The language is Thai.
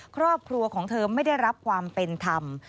ครอบครัวของเธอไม่ได้รับความเป็นธรรม